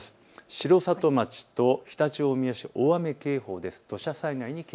城里町と常陸大宮市、大雨の警報です。